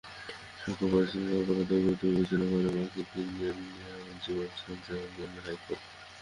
সাক্ষ্য পর্যালোচনায় অপরাধের গুরুত্ব বিবেচনা করে বাকি তিনজনকে যাবজ্জীবন সাজা দেন হাইকোর্ট।